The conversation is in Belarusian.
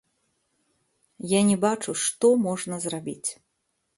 Я не бачу, што можна зрабіць.